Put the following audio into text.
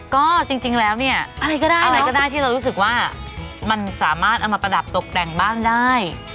ก็จริงแล้วเนี่ยอะไรก็ได้อะไรก็ได้ที่เรารู้สึกว่ามันสามารถเอามาประดับตกแต่งบ้านได้